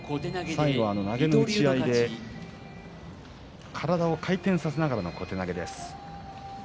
最後は投げの打ち合いで体を回転させながらの小手投げです。